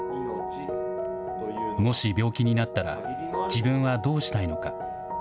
もし病気になったら、自分はどうしたいのか。